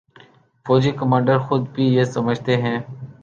فوجی کمانڈر خود بھی یہ سمجھتے ہیں۔